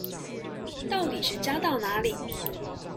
到底是加到哪裡